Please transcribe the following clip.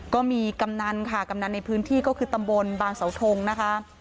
กำนันค่ะกำนันในพื้นที่ก็คือตำบลบางเสาทงนะคะ